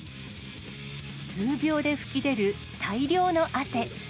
数秒で噴き出る、大量の汗。